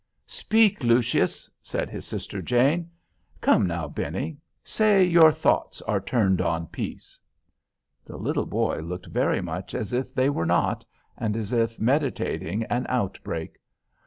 "Speak Lucius," said his sister Jane. "Come now, Benny—say 'your thoughts are turned on peace.'" The little boy looked very much as if they were not, and as if meditating an outbreak.